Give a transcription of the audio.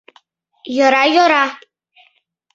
Йӧра, йӧра!